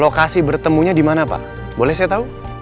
lokasi bertemunya di mana pak boleh saya tahu